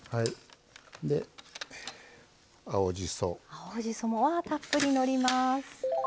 青じそもあたっぷりのります。